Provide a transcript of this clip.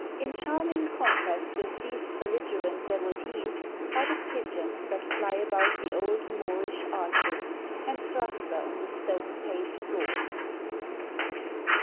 In charming contrast with these belligerent devotees are the pigeons that fly about the old Moorish arches and cluster on the stone paved floor.